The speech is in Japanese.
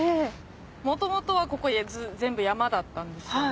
元々はここ全部山だったんですよね。